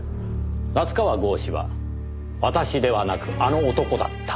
夏河郷士は「私」ではなく「あの男」だった。